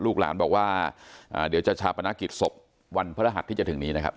ลูกหลานบอกว่าเดี๋ยวจะชาปนกิจศพวันพระรหัสที่จะถึงนี้นะครับ